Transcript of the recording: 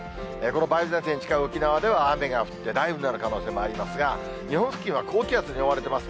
この梅雨前線に近い沖縄では雨が降って、雷雨になる可能性もありますが、日本付近は高気圧に覆われています。